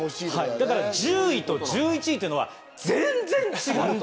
だから１０位と１１位は全然違うと。